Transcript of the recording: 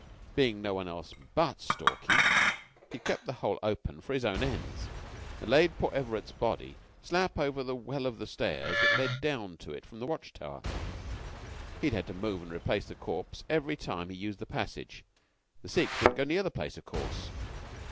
Being no one else but Stalky, he'd kept the hole open for his own ends; and laid poor Everett's body slap over the well of the stairs that led down to it from the watch tower. He'd had to move and replace the corpse every time he used the passage. The Sikhs wouldn't go near the place, of course.